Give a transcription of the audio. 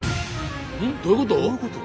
えどういうこと？